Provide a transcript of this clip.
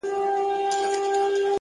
هره تجربه د ژوند نوې پوهه زیاتوي.